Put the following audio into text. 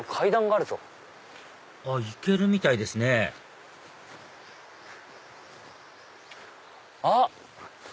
あっ行けるみたいですねあっ！